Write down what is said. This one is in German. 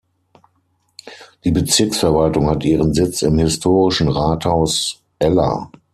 Die Bezirksverwaltung hat ihren Sitz im historischen Rathaus Eller.